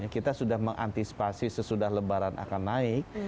kita sudah mengantisipasi sesudah lebaran akan naik